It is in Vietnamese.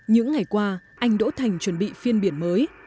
những ngày qua anh đỗ thành chuẩn bị phiên biển mới